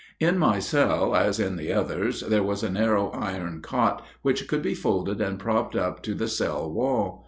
In my cell, as in the others, there was a narrow iron cot, which could be folded and propped up to the cell wall.